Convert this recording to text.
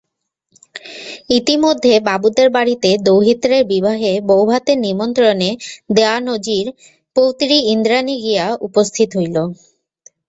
ইতিমধ্যে বাবুদের বাড়িতে দৌহিত্রের বিবাহে বউভাতের নিমন্ত্রণে দেওয়ানজির পৌত্রী ইন্দ্রাণী গিয়া উপস্থিত হইল।